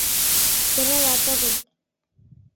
Сӧралат огыл.